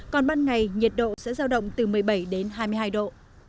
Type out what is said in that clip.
còn ban ngày nhiệt độ sẽ giao động từ một mươi bảy đến hai mươi hai độ